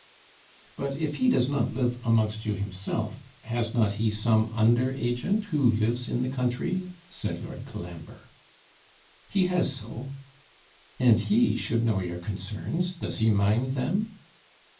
'But, if he does not live amongst you himself, has not he some under agent, who lives in the country?' said Lord Colambre. 'He has so.' 'And he should know your concerns: does he mind them?'